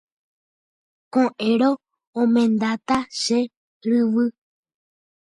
Ko'ẽrõ omendáta che ryvy.